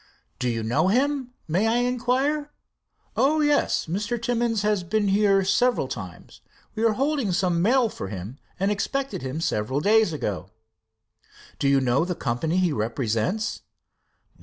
"Do you know him, may I inquire?" "Oh, yes, Mr. Timmins has been here several times. We are holding some mail for him, and expected him several days ago." "Do you know the company he represents?"